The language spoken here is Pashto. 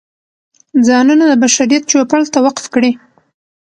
ځانونه د بشریت چوپړ ته وقف کړي.